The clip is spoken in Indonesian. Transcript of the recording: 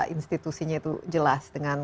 institusinya itu jelas dengan